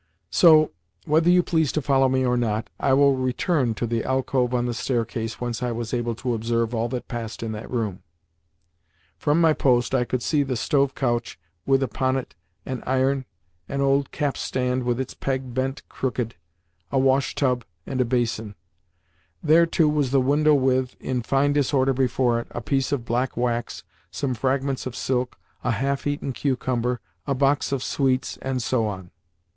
So, whether you please to follow me or not, I will return to the alcove on the staircase whence I was able to observe all that passed in that room. From my post I could see the stove couch, with, upon it, an iron, an old cap stand with its peg bent crooked, a wash tub, and a basin. There, too, was the window, with, in fine disorder before it, a piece of black wax, some fragments of silk, a half eaten cucumber, a box of sweets, and so on.